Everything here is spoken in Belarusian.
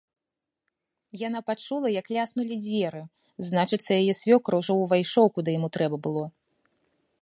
Яна пачула, як ляснулі дзверы, значыцца, яе свёкар ужо ўвайшоў, куды яму трэба было.